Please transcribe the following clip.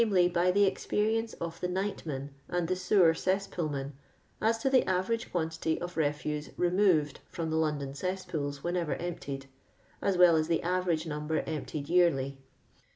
by the experience of the nightmen and the sewer cesspoolmen as to the average quan tity of reftise removed from the London cess pools whenever emptied, as well as the average number emptied yearly.